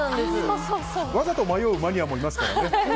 わざと迷うマニアもいますからね。